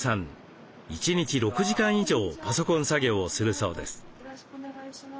１日６時間以上パソコン作業をするそうです。